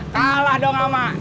kalah dong ama